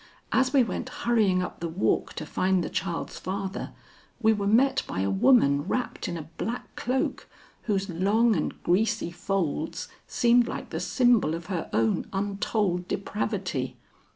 As we went hurrying up the walk to find the child's father, we were met by a woman wrapped in a black cloak whose long and greasy folds seemed like the symbol of her own untold depravity.